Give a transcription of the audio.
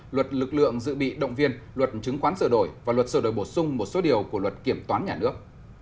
luật lực lượng dự bị động viên luật chứng khoán sửa đổi và luật sửa đổi bổ sung một số điều của luật kiểm toán nhà nước